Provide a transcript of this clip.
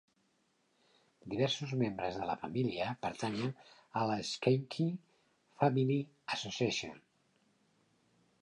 Diversos membres de la família pertanyen a la Skanke Family Association.